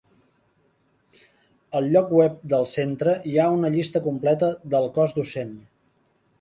Al lloc web del centre hi ha una llista completa del cos docent.